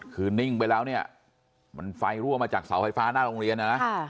คือนิ่งไปแล้วเนี่ยมันไฟรั่วมาจากเสาไฟฟ้าหน้าโรงเรียนนะนะ